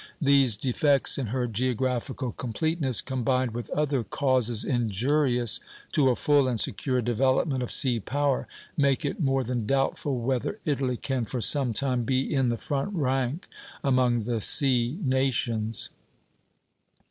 These defects in her geographical completeness, combined with other causes injurious to a full and secure development of sea power, make it more than doubtful whether Italy can for some time be in the front rank among the sea nations.